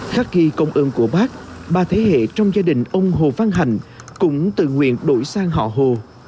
khắc ghi công ơn của bác ba thế hệ trong gia đình ông hồ văn hành cũng tự nguyện đổi sang họ hồ